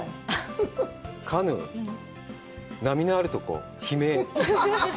カヌー、波のあるところ、悲鳴。